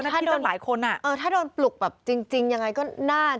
ถ้าโดนปลุกแบบจริงยังไงก็น่าจะ